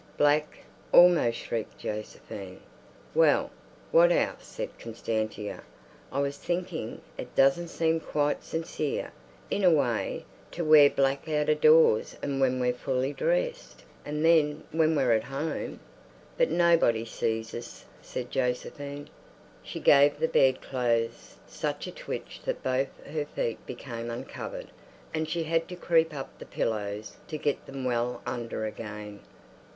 "Black?" almost shrieked Josephine. "Well, what else?" said Constantia. "I was thinking—it doesn't seem quite sincere, in a way, to wear black out of doors and when we're fully dressed, and then when we're at home—" "But nobody sees us," said Josephine. She gave the bedclothes such a twitch that both her feet became uncovered, and she had to creep up the pillows to get them well under again.